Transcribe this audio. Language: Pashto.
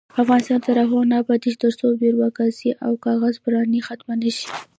افغانستان تر هغو نه ابادیږي، ترڅو بیروکراسي او کاغذ پراني ختمه نشي.